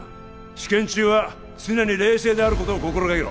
試験中は常に冷静であることを心がけろ